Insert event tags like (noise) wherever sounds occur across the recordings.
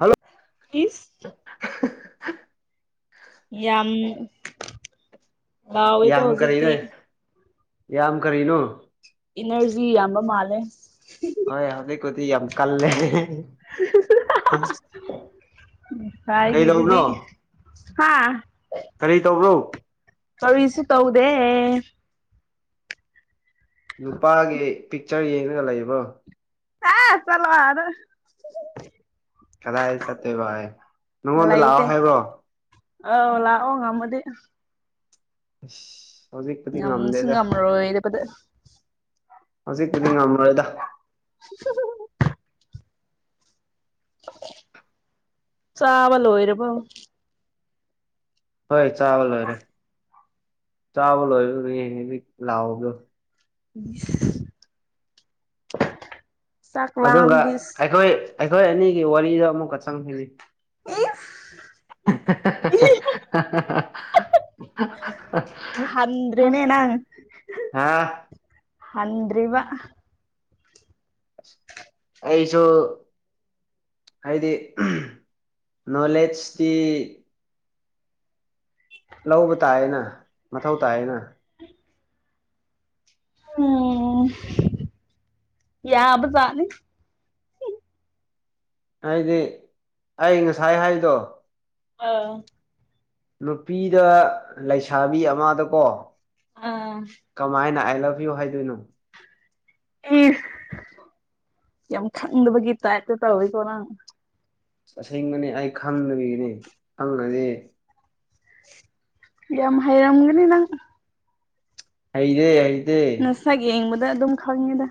hello ꯏꯁ ꯌꯥꯝ ꯂꯎꯋꯦꯀꯣ ꯌꯥꯝ ꯀꯔꯤꯅꯣ ꯍꯧꯖꯤꯛꯇꯤ ꯌꯥꯝ ꯀꯔꯤꯅꯣ ꯐ ꯌꯥꯝꯕ ꯃꯥꯂꯦ ꯍꯣꯏ ꯍꯧꯖꯤ ꯀꯗꯤ ꯌꯥꯝ ꯀꯜꯂ ꯀꯔꯤ ꯉꯁꯥꯏꯒꯤꯗꯨꯗꯤ ꯇꯧꯕꯅꯣ ꯀꯔꯤ ꯇꯧꯕ꯭ꯔꯣ ꯑ ꯏꯁꯤ ꯇꯧꯗꯦ ꯅꯨꯄꯥꯒꯤ ꯄꯤꯛꯆꯔ ꯌꯦꯡꯉꯒ ꯂꯩꯕ꯭ꯔꯣ ꯍ ꯆꯂꯋꯥꯔ ꯀꯗꯥꯏ ꯆꯠꯇꯦ ꯚꯥꯏ ꯅꯪꯉꯣꯟꯗ ꯂꯥꯛꯑꯣ ꯍꯥꯏꯕ꯭ꯔꯣ ꯑꯥꯎ ꯂꯥꯛꯑꯣ ꯉꯃꯗꯤ ꯑꯁ ꯍꯧꯖꯤꯛꯄꯨꯗꯤ ꯌꯥꯝ ꯁ ꯉꯝꯗꯦꯗ ꯉꯣꯗ ꯄ ꯍꯧꯖꯤꯛꯄꯨꯗꯤ ꯉꯝꯃꯣꯏꯗ ꯆꯥꯕ ꯂ ꯑꯣꯏꯔꯔꯕꯥꯎ ꯍꯣꯏ ꯆꯕꯂꯔꯦ ꯆꯥꯕꯜ ꯑꯣꯏ ꯂꯑꯣꯗꯣ (inaudible) ꯑꯗꯨꯒ ꯂꯥꯝꯃꯗꯤ ꯏꯁ ꯑꯩꯈꯣꯏ ꯑꯩꯈꯣꯏ ꯑꯅꯤꯒꯤ ꯋꯥꯔꯤꯗꯣ ꯑꯃꯨꯛꯀ ꯆꯪꯈꯤꯅꯤ (unintelligible) ꯍꯟꯗ꯭ꯔꯦꯅꯦ ꯍꯥꯥ ꯑꯟ꯭ꯔꯤ ꯋꯥ ꯑꯩꯁꯨ ꯍꯥꯏꯗꯤ ꯅꯣꯂꯦꯖꯇꯤ ꯂꯧꯕ ꯇꯥꯏꯌꯦꯅ ꯃꯊꯧ ꯇꯥꯏꯌꯦꯅ ꯎꯝ ꯌꯥꯕ ꯆꯥꯅꯤ ꯍꯥꯏꯗꯤ ꯑꯩ ꯉꯁꯥꯏ ꯍꯥꯏꯗꯣ ꯑꯥ ꯅꯨꯄꯤꯗ ꯂꯩꯁꯥꯕꯤ ꯑꯃꯗꯀꯣ ꯑꯥ ꯀꯃꯥꯏꯅ ꯑꯥꯏ ꯂꯚ ꯌꯨ ꯍꯥꯏꯗꯣꯏꯅꯣ ꯏ ꯌꯥꯝ ꯈꯪꯗꯕꯒꯤ ꯇꯥꯏꯇ ꯇꯧꯋꯤꯀꯣ ꯅꯪ ꯑꯁꯦꯡꯕꯅꯦ ꯑꯩ ꯈꯪꯗꯕꯤꯅꯤ ꯈꯪꯉꯗꯤ ꯌꯥꯝ ꯍꯩꯔꯝꯒꯅꯤ ꯅꯪ ꯑꯩꯗꯦ ꯉꯁꯛ ꯌꯦꯡꯕꯗ ꯑꯗꯨꯝ ꯈꯪꯉꯤꯗ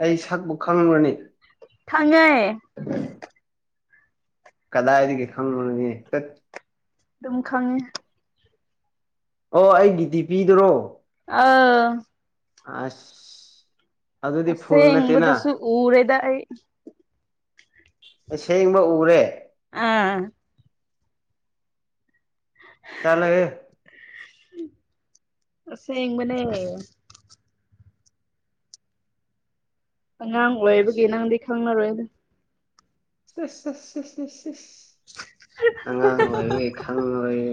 ꯑꯩ ꯁꯛꯄꯨ ꯈꯪ꯭ꯔꯅꯤ ꯆꯪꯉꯥꯏ ꯀꯗꯥ ꯏꯗꯤ ꯀ ꯈꯪ ꯃꯦ ꯇꯠ ꯑꯗꯨꯝ ꯈꯉꯦ ꯑꯣ ꯑꯩꯒꯤꯗꯤ ꯄꯤꯗꯔꯣ ꯑꯥ ꯑ ꯑꯁꯦꯡꯕꯗꯁꯨ ꯎꯔꯦꯗ ꯑꯩ ꯁꯦꯡꯕ ꯎꯔꯦ ꯑꯥ ꯇꯂꯒꯦ ꯁ ꯃꯅꯦ ꯑꯉꯥꯡ ꯑꯁ ꯑꯣꯏꯕꯒꯤ ꯅꯪꯗꯤ ꯈꯪꯅꯔꯣꯏꯗ ꯁꯁ ꯑꯉꯥꯡ ꯑꯣꯏ ꯈꯪꯉꯔꯣꯏ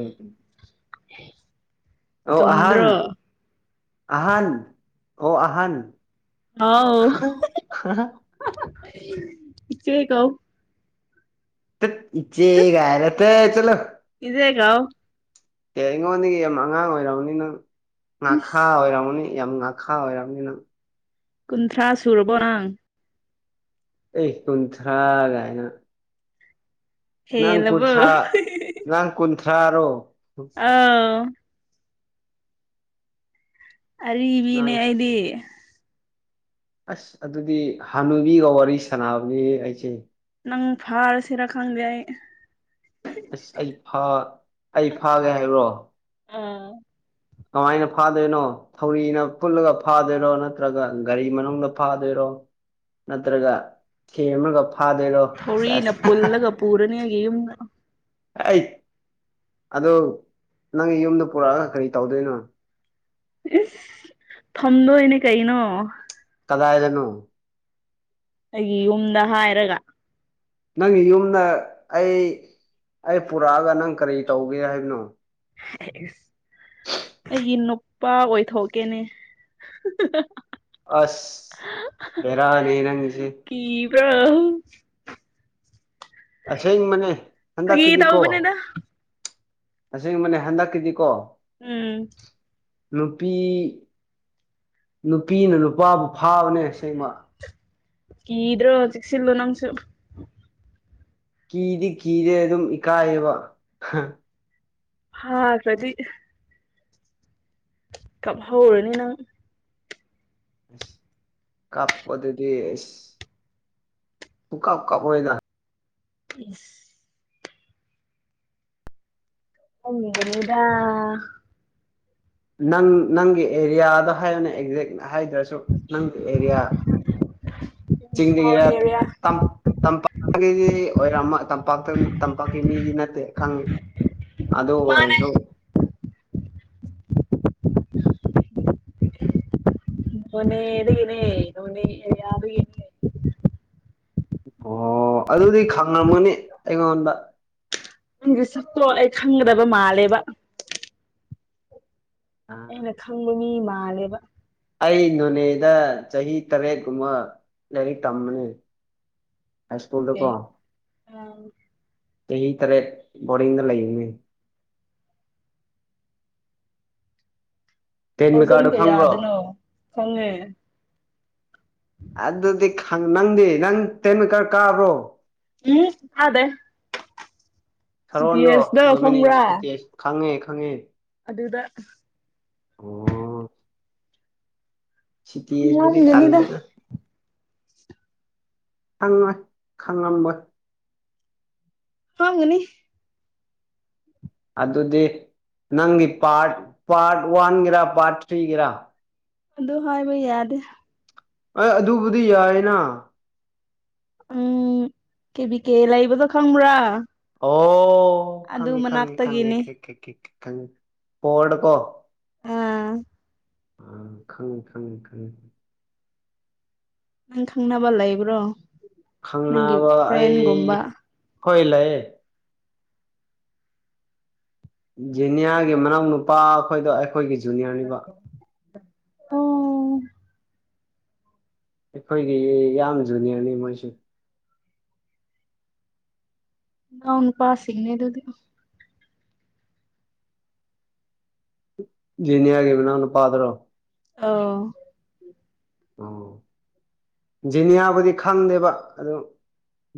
ꯑꯣ ꯑꯍꯟ ꯁꯨꯝꯗ꯭ꯔ ꯑꯍꯟ ꯑꯣ ꯑꯍꯥꯟ ꯍꯥꯎ ꯈ ꯈ ꯏꯆꯦꯀꯥꯎ ꯏꯆꯦ ꯀꯔꯠꯇ ꯆꯂꯣ ꯏꯗꯦꯒ ꯑꯦ ꯑꯩꯉꯣꯟꯗꯒꯤ ꯌꯥꯝ ꯑꯉꯥꯡ ꯑꯣꯏꯔꯝꯅꯤ ꯅꯪ ꯉꯥꯈꯥ ꯏꯁ ꯑꯣꯏꯔꯝꯅꯤ ꯌꯥꯝ ꯉꯅꯥ ꯈꯥ ꯑꯣꯏꯔꯔ ꯌꯥꯝꯅꯤ ꯀꯨꯟꯊ꯭ꯔꯥ ꯁꯨꯔꯕꯣ ꯅꯪ ꯑꯦ ꯀꯨꯟꯊ꯭ꯔꯥꯒꯑꯅ ꯅꯪ ꯍꯦꯜꯂꯕꯣ ꯀꯨꯟꯊ꯭ꯔꯥ ꯅꯪ ꯀꯨꯟꯊ꯭ꯔꯥꯔꯣ ꯑꯥꯎ ꯅꯪ ꯑꯔꯤꯕꯅꯦ ꯑꯩꯗꯤ ꯑꯁ ꯑꯗꯨꯗꯤ ꯍꯅꯨꯕꯤꯒ ꯋꯥꯔꯤ ꯁꯥꯟꯅꯕꯅꯤ ꯑꯩꯁꯦ ꯅꯪ ꯐꯥꯔ ꯁꯤꯔ ꯈꯪꯗꯦ ꯑꯩ ꯑꯁ ꯑꯩ ꯑꯩ ꯐꯥꯒꯦ ꯍꯥꯏꯕ꯭ꯔꯣ ꯑ ꯀꯃꯥꯏꯅ ꯐꯥꯗꯣꯏꯅꯣ ꯊꯧꯔꯤꯅ ꯐꯜꯂꯒ ꯐꯥꯗꯣꯏꯔꯣ ꯅꯠꯇ꯭ꯔꯒ ꯒꯥꯔꯤ ꯃꯅꯨꯡꯗ ꯐꯥꯗꯣꯏꯔꯣ ꯅꯠꯇ꯭ꯔꯒ ꯊꯦꯝ ꯑꯃꯒ ꯐꯥꯗꯣꯏꯔꯣ ꯊꯧꯔꯤꯅ ꯄꯨꯜꯂꯒ ꯄꯨꯔꯅꯤ ꯑꯩꯒꯤ ꯌꯨꯝꯗ ꯑ ꯑꯗꯨ ꯅꯪꯒꯤ ꯌꯨꯝꯗ ꯄꯨꯔꯛꯑꯒ ꯀꯔꯤ ꯇꯧꯗꯣꯏꯅꯣ ꯏꯁ ꯊꯝꯗꯣꯏꯅꯦ ꯀꯩꯅꯣ ꯀꯗꯥꯏꯗꯅꯣ ꯑꯩꯒꯤ ꯌꯨꯝꯗ ꯍꯥꯏꯔꯒ ꯅꯪꯒꯤ ꯌꯨꯝꯗ ꯑꯩ ꯑꯩ ꯄꯨꯔꯛꯑꯒ ꯅꯪ ꯀꯔꯤ ꯇꯧꯒꯦ ꯍꯥꯏꯕꯅꯣ ꯑꯦꯁ ꯑꯩꯒꯤ ꯅꯨꯄꯥ ꯑꯣꯏꯊꯣꯛꯀꯦꯅꯦ ꯑꯁ ꯦꯔꯥ ꯅꯔꯅꯤꯁꯦ ꯔ꯭ꯔꯎ ꯑꯁ ꯏꯪ ꯃꯅꯦ ꯍꯟꯗ ꯐꯥꯒꯤ ꯇꯤꯗꯤꯀꯣ ꯇꯧꯕꯅꯦꯗ ꯇꯁꯦꯡꯕꯅꯦ ꯍꯟꯗꯛꯀꯤꯗꯤꯀꯣ ꯎꯝ ꯅꯨꯄꯤ ꯅꯨꯄꯤꯅ ꯅꯨꯄꯥꯕꯨ ꯐꯥꯕꯅꯦ ꯏꯁꯩꯃ ꯀ ꯏꯗ꯭ꯔꯣ ꯆꯦꯛꯁꯤꯜꯂꯣ ꯅꯪꯁꯨ ꯀꯤꯔꯤ ꯀꯤꯔꯦ ꯑꯗꯨꯝ ꯏ ꯀꯥꯏꯕ ꯍꯥꯥ ꯔ꯭ꯔꯗꯤ ꯀꯞ ꯍꯧꯔꯅꯤ ꯅꯪ ꯀꯞ ꯄꯊꯗꯤꯁꯤ ꯇ ꯀꯥꯞ ꯀꯥꯄꯣꯏꯗ ꯌꯦꯁ ꯑ ꯃꯔꯗꯥ ꯅꯪ ꯅꯪꯒꯤ ꯑꯦꯔꯤꯌꯥꯗ ꯍꯥꯏꯌꯅꯦ ꯑꯦꯛꯖꯦꯛ ꯍꯥꯏꯗ꯭ꯔꯁꯨ ꯅꯪ ꯑꯦꯔꯤꯌꯥ ꯆꯤꯡꯗꯒꯤꯔ ꯑꯦꯔꯤꯌꯥ ꯇꯝꯄꯥꯛꯀꯤꯗꯤ ꯑꯣꯏꯔꯝꯃ ꯇꯝꯄꯥꯛꯇ ꯇꯝꯄꯥꯛꯀꯤ ꯃꯤꯗꯤ ꯅꯠꯇꯦ ꯈꯪꯉꯤ ꯑꯗ ꯃꯥꯅꯦ ꯑꯣꯏꯁꯣ ꯃꯅꯦ ꯌꯦꯗꯨꯒꯦꯅꯦ ꯅꯣꯅꯦ ꯌꯥꯔꯒꯅꯦ ꯑꯣ ꯑꯗꯨꯗꯤ ꯈꯪꯉꯝꯒꯅꯤ ꯑꯩꯉꯣꯟꯗ ꯅꯪꯒꯤ ꯁꯛꯇ꯭ꯔꯣ ꯑꯩ ꯈꯪꯒꯗꯕ ꯃꯥꯜꯂꯦꯕ ꯑꯩꯅ ꯈꯪꯕ ꯃꯤ ꯃꯥꯜꯂꯦꯕ ꯑꯩ ꯅꯣꯅꯦꯗ ꯆꯍꯤ ꯇꯔꯦꯠꯀꯨꯝꯕ ꯂꯥꯏꯔꯤꯛ ꯇꯝꯕꯅꯦ ꯍꯥꯏ ꯁ꯭ꯀꯨꯜꯗꯀꯣ ꯀꯩ ꯑꯥ ꯆꯍꯤ ꯇꯔꯦꯠ ꯕꯣꯔꯡꯗ ꯂꯩꯃꯤ ꯇꯦꯟ ꯑꯣꯖꯟ ꯃꯦꯀꯥꯔꯗꯣ ꯀ ꯈꯪꯕ꯭ꯔꯣ ꯌꯥꯗꯅ ꯐꯉꯦ ꯑꯗꯨꯗꯤ ꯅꯪꯗꯤ ꯅꯪ ꯇꯦꯟꯃꯤ ꯈꯔ ꯀꯥꯕ꯭ꯔꯣ ꯎꯝ ꯑꯗꯦ ꯁꯥꯔꯣꯟ꯭ꯔꯣ ꯗꯣꯃꯤꯅꯤꯛꯇꯦ ꯈꯪꯉꯦ ꯈꯪꯉꯦ ꯑꯗꯨꯗꯗ ꯑꯣ ꯁꯤꯤꯇꯌꯦ ꯑꯁꯕꯣꯅꯤ ꯍꯥꯡꯒꯅꯤꯗ ꯇꯥꯟꯂꯅ ꯈꯪꯉꯣꯏ ꯈꯪꯉꯝꯕꯣꯏ ꯍꯥꯡꯒꯅꯤ ꯑꯗꯨꯗꯤ ꯅꯪꯒꯤ ꯄꯥꯔꯠ ꯄꯥꯔꯠ ꯋꯥꯟꯒꯤꯔꯥ ꯄꯥꯔꯠ ꯊ꯭ꯔꯤꯒꯤꯔꯥ ꯑꯗꯨ ꯍꯥꯏꯕ ꯌꯥꯗꯦ ꯍ ꯑꯗꯨꯕꯨꯗꯤ ꯌꯥꯏꯅ ꯎꯝ ꯀꯦꯕꯤ ꯀꯦ ꯂꯩꯕꯗꯣ ꯈꯪꯕ꯭ꯔꯥ ꯑꯣ ꯑꯗꯨ ꯈꯪꯉꯤ ꯈꯪꯉꯤ ꯈꯪꯉꯤ ꯃꯅꯥꯛꯇꯒꯤꯅꯤ ꯀꯦꯦꯦꯠꯀꯣ ꯑꯝ ꯑ ꯈꯪꯉꯤ ꯈꯪꯉꯤ ꯈꯪꯉꯤ ꯅꯪ ꯈꯪꯅꯕꯕꯜꯂ ꯏꯕ꯭ꯔꯣ ꯈꯪꯅꯕ ꯑꯩ ꯍꯣꯏ ꯂꯩ ꯖꯦꯅꯤꯌꯥꯒꯤ ꯃꯅꯥꯎ ꯅꯨꯄꯥ ꯑꯩꯈꯣꯏꯗꯣ ꯑꯩꯈꯣꯏꯒꯤ ꯖꯨꯅꯤꯌꯔꯅꯤꯕ ꯑꯣ ꯑꯩꯈꯣꯏꯒꯤ ꯌꯥꯝ ꯖꯨꯅꯤꯌꯔꯅꯤ ꯃꯣꯏꯁꯨ ꯉꯎꯅ ꯄꯁꯤꯅꯦ ꯑꯗꯨꯗꯤ ꯖꯤꯅꯦ ꯍꯥꯏꯒ ꯅ ꯍꯅ ꯄꯥꯗ꯭ꯔꯣ ꯑ ꯑꯥꯎ ꯖꯤꯅꯤꯌꯥꯕꯨꯗꯤ ꯈꯪꯗꯦꯕ ꯑꯗꯨ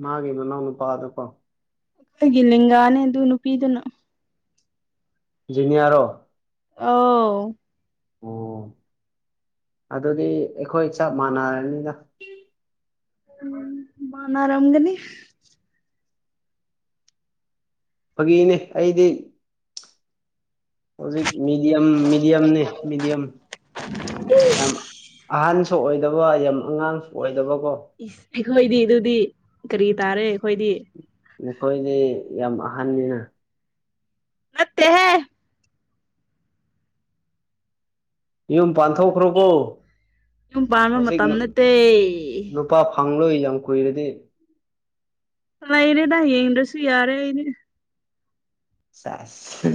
ꯃꯥꯒꯤ ꯃꯅꯥꯎꯅꯨꯄꯥꯗꯀꯣ ꯈꯣꯏꯒꯤ ꯂꯒꯥꯅꯦ ꯑꯗꯨ ꯅꯨꯄꯤꯗꯨꯅ ꯖꯤꯅꯤꯌꯥꯔꯣ ꯑ ꯑꯣ ꯑꯗꯨꯗꯤ ꯑꯩꯈꯣꯏ ꯆꯞ ꯃꯥꯟꯅꯔꯅꯤꯅ ꯎꯝ ꯃꯥꯅ ꯑꯔꯒꯅꯤ ꯐꯥꯒꯤꯅꯦ ꯑꯩꯗꯤ ꯍꯧꯖꯤꯛ ꯃꯤꯗꯤꯌꯝ ꯃꯤꯗꯤꯌꯝꯅꯤ ꯃꯤꯗꯤꯌꯝ ꯌꯥꯝ ꯑꯍꯟꯁꯨ ꯑꯣꯏꯗꯕ ꯌꯥꯝ ꯑꯉꯥꯡꯁꯨ ꯑꯣꯏꯗꯕꯀꯣ ꯏꯁ ꯑꯩꯈꯣꯏꯗꯤ ꯑꯗꯨꯗꯤ ꯀꯔꯤ ꯇꯥꯔꯦ ꯑꯩꯈꯣꯏꯗꯤ ꯅꯈꯣꯏꯗꯤ ꯌꯥꯝ ꯑꯍꯟꯅꯤꯅ ꯅꯠꯇ ꯍꯥꯏ ꯌꯨꯝ ꯄꯥꯟꯊꯣꯛꯈ꯭ꯔꯕꯣ ꯌꯨꯝ ꯄꯥꯟꯕ ꯍꯧꯖꯤꯛ ꯃꯇꯝ ꯅꯠꯇꯦ ꯅꯨꯄꯥ ꯄꯪꯂꯂꯣ ꯏꯂꯂꯝ ꯀꯨꯣꯏꯔꯕꯗꯤ ꯏꯔꯦꯗꯏ ꯌꯦꯗꯁꯨ ꯌꯥꯔꯦ ꯑꯩꯔ ꯆꯁ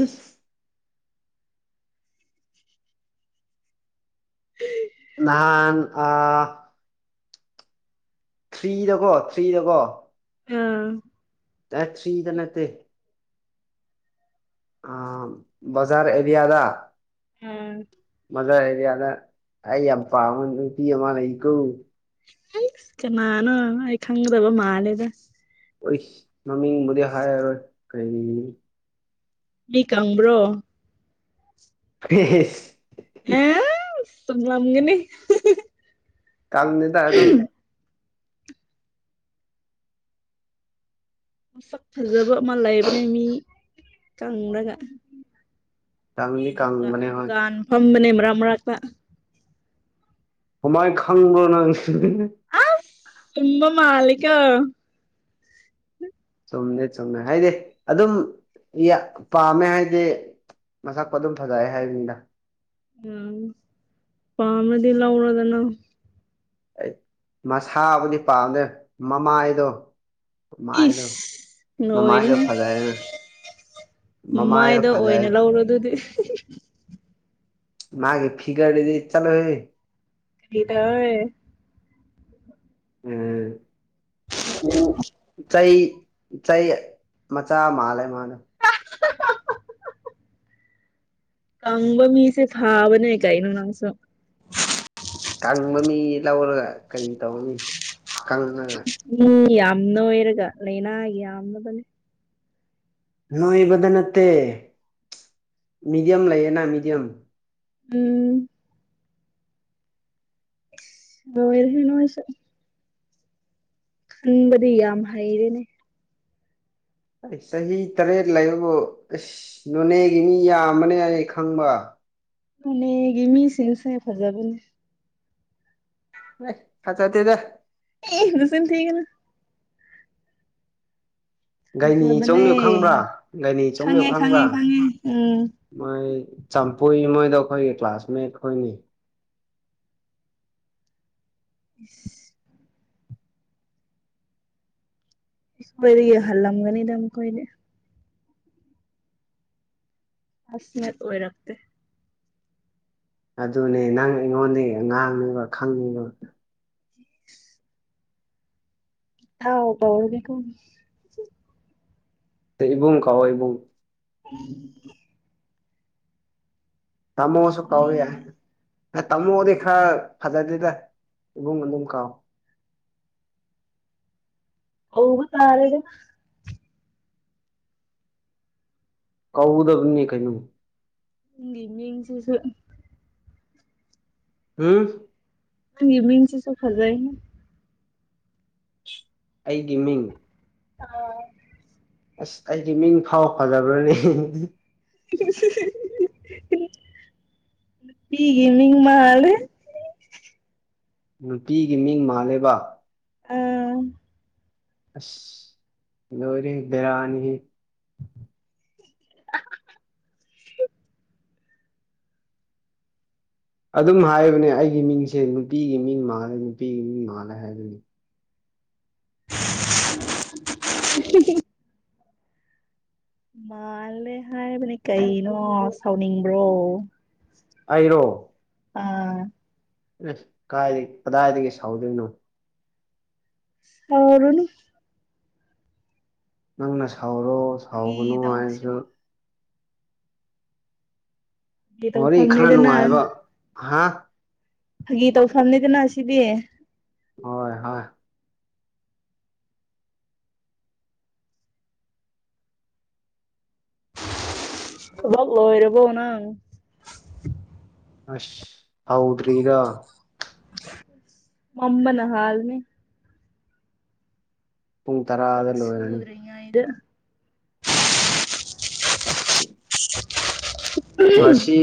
ꯅꯍꯥꯟ ꯑ ꯊ꯭ꯔꯤꯗꯀꯣ ꯊ꯭ꯔꯤꯗꯀꯣ ꯑꯥ ꯇꯁꯤꯗꯅꯠꯇ ꯑ ꯕꯖꯥꯔ ꯑꯦꯔꯤꯌꯥꯗ ꯎꯝ ꯃꯗꯔ ꯑꯦꯔꯤꯌꯥꯗ ꯑꯩ ꯌꯥꯝ ꯄꯥꯝꯕ ꯅꯨꯄꯤ ꯑꯃ ꯂꯩꯀꯨ ꯀꯅꯥꯅ ꯑꯩ ꯈꯪꯗꯕ ꯃꯥꯂꯦꯗ ꯑꯩ ꯃꯃꯤꯡꯕꯨꯗꯤ ꯍꯥꯏꯔꯔꯣꯏ ꯀꯩ ꯃꯤ ꯈꯪꯕ꯭ꯔꯣ ꯍ ꯑ ꯁꯨꯡꯂꯝꯂꯝꯒꯅꯤ ꯀꯥꯡꯜꯅꯤꯗ ꯑꯗꯨ ꯑꯗꯨꯝ ꯃꯁꯛ ꯐꯖꯕ ꯑꯃ ꯂꯩꯕꯅꯦ ꯃꯤ ꯀꯪꯂꯪꯨꯔꯒ ꯀꯪꯗꯤ ꯗꯨꯀ ꯀꯪꯕꯅꯦ ꯍꯣꯏ ꯗꯨꯀꯥꯟ ꯐꯝꯕꯅꯦ ꯃꯔꯥꯛ ꯃꯔꯛꯇ ꯀꯃꯥꯏ ꯈꯥꯡꯒꯅꯁꯤꯗꯅꯦ ꯇꯨꯝꯕ ꯃꯥꯂꯤꯒ ꯆꯨꯝꯅꯦ ꯆꯨꯝꯅ ꯍꯥꯏꯗꯤ ꯑꯗꯨꯝ ꯄꯥꯝꯃꯦ ꯍꯥꯏꯗꯤ ꯃꯁꯛꯄ ꯑꯗꯨꯝ ꯐꯖꯑ ꯍꯥꯏꯕꯅꯤꯗ ꯎꯝ ꯄꯃꯦꯗꯤꯂ ꯎꯔꯗꯅ ꯑꯩ ꯃꯁꯥꯕꯨꯗꯤ ꯄꯥꯝꯗꯦ ꯃꯃꯥꯏꯗꯣ ꯃꯃꯥꯏꯗ ꯏꯁ ꯃꯃꯥꯏꯥꯏꯗ ꯐꯖꯅ ꯃꯥꯏꯗ ꯑꯣꯏꯅ ꯂꯧꯔꯣ ꯑꯗꯨꯗꯤ ꯃꯥꯒꯤꯦ ꯐꯤꯒꯥꯔꯦꯗꯤ ꯆꯂꯣ ꯍꯦ ꯀꯔꯤꯗꯑꯦ ꯎꯝ ꯎ ꯆꯩ ꯆꯩ ꯃꯆꯥ ꯃꯥꯜꯂꯦ ꯃꯥꯂꯦ ꯀꯝꯕ ꯃꯤꯁꯦ ꯐꯥꯕꯅꯦ ꯀꯥꯏꯩꯅ ꯅꯁ ꯀꯪꯕ ꯃꯤ ꯂꯧꯔꯒ ꯀꯔꯤ ꯇꯧꯅꯤ ꯀꯪꯉꯒ ꯎꯝ ꯌꯥꯝꯅ ꯑꯣꯏꯔꯒ ꯂꯥꯏꯅꯥ ꯌꯥꯝꯅꯕꯅꯦ ꯅꯣꯏꯕꯗ ꯅꯠꯇꯦ ꯃꯤꯗꯤꯌꯝ ꯂꯩꯌꯦꯅ ꯃꯤꯗꯤꯌꯝ ꯎꯝ ꯑꯣ ꯑꯣꯏꯔ ꯍꯅꯁ ꯎꯝꯕꯗꯤ ꯌꯥꯝꯃ ꯍꯥꯏꯗꯦꯅꯦ ꯑꯩ ꯆꯍꯤ ꯇꯔꯦꯠ ꯂꯩꯕꯕꯨ ꯑꯁ ꯅꯣꯅꯦꯒꯤ ꯃꯤ ꯌꯥꯝꯕꯅꯦ ꯑꯩ ꯈꯪꯕ ꯃꯅꯦꯒꯤꯃꯤꯁꯤ ꯏꯁꯦ ꯐꯖꯕꯅꯤ ꯅ ꯈ ꯆ ꯇꯦꯗ ꯁꯅ ꯊꯒꯅ ꯒꯥꯏꯅꯤ ꯆꯣꯡ ꯐꯖꯕꯅꯦ ꯌꯣ ꯈꯪꯕ꯭ꯔꯥ ꯒꯥꯏꯅꯤ ꯆꯣꯡ ꯌꯎ ꯈꯪꯉꯦ ꯈꯪꯕ꯭ꯔꯥ ꯈꯪꯉꯦ ꯈꯪꯉꯦ ꯎꯝ ꯃꯣꯏ ꯄꯨꯏ ꯃꯣꯏꯗ ꯑꯩꯈꯣꯏꯒꯤ ꯀ꯭ꯂꯥꯁꯃꯦꯠ ꯑꯩꯈꯣꯏꯅꯤ ꯎ ꯍꯜꯂꯝꯒꯅꯤꯗꯝ ꯀꯗꯦ ꯑꯁꯅꯦ ꯑꯣꯏꯔꯇ ꯑꯗꯨꯅꯦ ꯅꯪ ꯑꯩꯉꯣꯟꯗ ꯉꯥꯡꯉꯤꯕ ꯈꯪꯉꯤꯕ ꯊꯥꯎꯕꯔꯕꯤ ꯀ ꯏꯕꯨꯡ ꯀꯥꯎꯋꯥ ꯏꯕꯨꯡ ꯇꯃꯣꯁ ꯀꯋ ꯌꯥ ꯀꯧꯅꯤꯡꯗꯦ ꯇꯝꯃꯣꯗꯤ ꯈꯔ ꯐꯖꯗꯦꯗ ꯏꯕꯨꯡ ꯑꯗꯨꯝ ꯀꯥꯎ (inaudible) ꯑꯣꯕꯨ ꯇꯥꯔꯦꯗ ꯀꯧꯧꯗꯕꯅꯦ ꯀꯩꯅꯣ ꯏꯁꯤꯁꯨ ꯎꯝ ꯃꯤꯟꯁꯤꯁꯨ ꯐꯖ ꯑꯩꯒꯤ ꯃꯤꯡ ꯑ ꯑꯁ ꯑꯩꯗꯤ ꯃꯤꯡ ꯐꯥꯎ ꯐꯖꯕ꯭ꯔꯥꯅꯦ (unintelligible) ꯄꯤꯒꯤ ꯃꯤ ꯃꯥꯜ ꯅꯨꯄꯤꯒꯤ ꯃꯤꯡ ꯃꯥꯂꯕ ꯑꯝ ꯑꯁ ꯂꯣꯔꯤ ꯙꯔꯥꯅꯤꯍꯤ ꯑꯗꯨꯝ ꯍꯥꯏꯕꯅꯦ ꯑꯩꯒꯤ ꯃꯤꯡꯁꯦ ꯅꯨꯄꯤꯒꯤ ꯃꯤꯡ ꯃꯥꯜꯂꯦ ꯅꯨꯄꯤꯒꯤ ꯃꯤꯡ ꯃꯥꯜꯂꯦ ꯍꯥꯏꯕꯅꯤ (inaudible) ꯃꯥꯜꯂꯦ ꯍꯥꯏꯕꯅꯦ ꯀꯩꯅꯣ ꯁꯥꯎꯅꯤꯡꯕ꯭ꯔꯣ ꯑꯔꯣ ꯑꯥ ꯑꯦ ꯀꯥꯏꯗꯒꯤ ꯀꯗꯥꯏꯗꯒꯤ ꯁꯥꯎꯗꯣꯏꯅꯣ ꯑꯔꯅ ꯅꯪꯅ ꯁꯥꯎꯔꯣ ꯐꯥꯒꯤ ꯁꯥꯎꯒꯅꯣ ꯍꯥꯏꯔꯁꯨ ꯇꯧꯕꯁꯤꯕꯨ ꯐꯥꯒꯤ ꯋꯥꯔꯤꯦ ꯈꯔ ꯇꯧꯐꯝꯅꯤꯗꯅ ꯅꯨꯡꯉꯥꯏꯕ ꯍꯥ ꯐꯒꯤ ꯇꯧꯐꯝꯅꯤꯗꯅ ꯁꯤꯗꯤ ꯍꯣꯏ ꯍꯣꯏ ꯑꯞ ꯂꯣꯏꯔꯔꯕꯣ ꯍꯅ ꯑ ꯍꯥꯎꯗꯔꯤꯒ ꯃꯃꯅ ꯍꯜ ꯃ ꯄꯨꯡ ꯇꯔꯥꯗ ꯂꯣꯏꯔꯅꯤ ꯕꯁꯨꯨꯗ꯭ꯔꯦ ꯏꯗ ꯑꯁꯦ ꯃꯥꯁꯤ